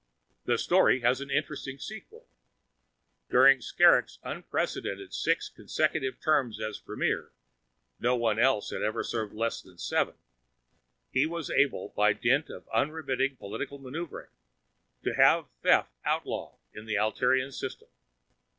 The story has an interesting sequel. During Skrrgck's unprecedented six consecutive terms as Premier (no one else had ever served less than seven), he was able, by dint of unremitting political maneuvering, to have theft outlawed in the Altairian system.